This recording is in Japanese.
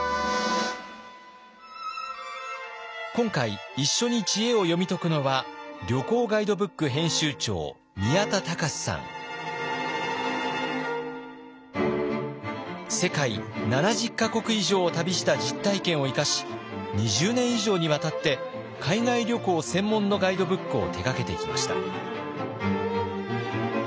今回一緒に知恵を読み解くのは世界７０か国以上を旅した実体験を生かし２０年以上にわたって海外旅行専門のガイドブックを手がけてきました。